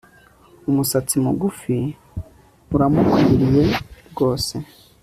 Umusatsi mugufi uramukwiriye rwose